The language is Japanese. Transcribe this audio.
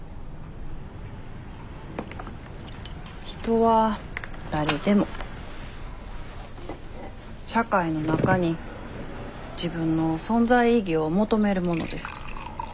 人は誰でも社会の中に自分の存在意義を求めるものです。